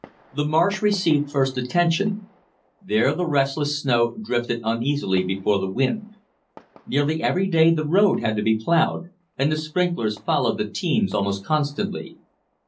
The marsh received first attention. There the restless snow drifted uneasily before the wind. Nearly every day the road had to be plowed, and the sprinklers followed the teams almost constantly.